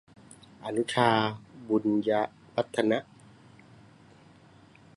อนุชา บุญยวรรธนะ